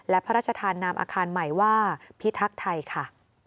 และพระราชทานนามอาคารใหม่ว่าพิทักษ์ไทยค่ะ